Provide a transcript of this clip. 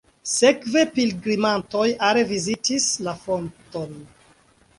Sekve pilgrimantoj are vizitis la fonton.